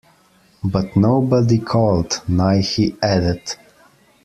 "But nobody called", Nighy added.